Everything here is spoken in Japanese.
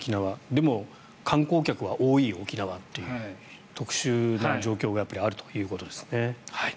でも観光客は多い沖縄という特殊な状況があるということですね。